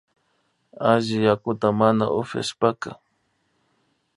Alli yakuta mana upyashpaka